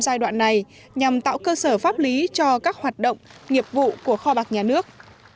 giai đoạn này nhằm tạo cơ sở pháp lý cho các hoạt động nghiệp vụ của kho bạc nhà nước